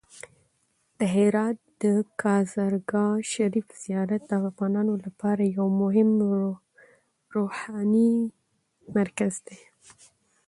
د هرات د کازرګاه شریف زیارت د افغانانو لپاره یو مهم روحاني مرکز دی.